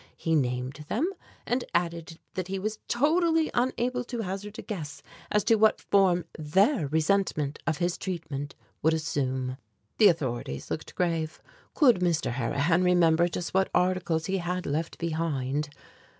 He named them, and added that he was totally unable to hazard a guess as to what form their resentment of his treatment would assume. The authorities looked grave. Could Mr. Harrihan remember just what articles he had left behind?